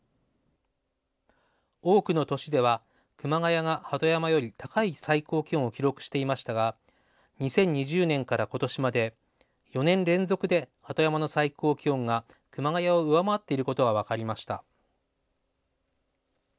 多くの年では熊谷が鳩山より高い最高気温を記録していましたが２０２０年から今年まで４年連続で鳩山の最高気温が熊谷を上回っていることが分かりました。